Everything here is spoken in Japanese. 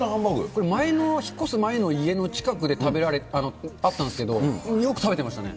これ、前の、引っ越す前の近くで食べられた、あったんですけど、よく食べてましたね。